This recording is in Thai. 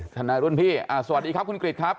ทนายรุ่นพี่สวัสดีครับคุณกริจครับ